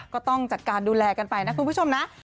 ก็ต้องจัดการดูแลกันไปนะคุณผู้ชมนะ